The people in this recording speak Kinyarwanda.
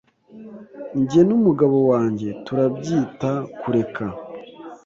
Jye n'umugabo wanjye turabyita kureka.